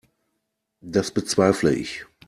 Das bezweifle ich.